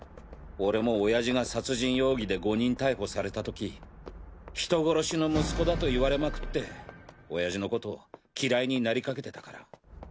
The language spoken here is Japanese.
俺も親父が殺人容疑で誤認逮捕されたとき人殺しの息子だと言われまくって親父のコトを嫌いになりかけてたから。